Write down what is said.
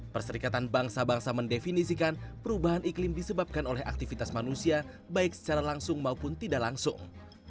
perserikatan bangsa bangsa mendefinisikan perubahan iklim disebabkan oleh aktivitas manusia baik secara langsung maupun tidak langsung